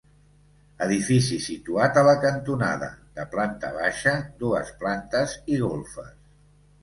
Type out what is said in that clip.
Edifici situat a la cantonada, de planta baixa, dues plantes i golfes.